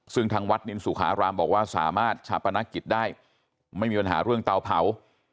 ซึ่งทางวัดนินสุขารามบอกว่าสามารถชาปนกิจได้ไม่มีปัญหาเรื่องเตาเผา